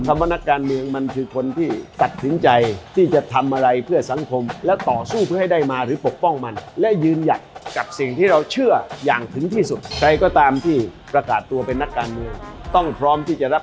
คำว่านักการเมืองมันคือคนที่สัดสินใจ